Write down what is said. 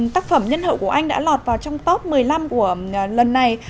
tác phẩm nhân hậu của anh đã lọt vào trong top một mươi năm của lần này